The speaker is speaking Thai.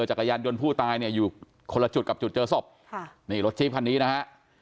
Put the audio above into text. จักรยานยนต์ผู้ตายเนี่ยอยู่คนละจุดกับจุดเจอศพค่ะนี่รถจี๊บคันนี้นะฮะ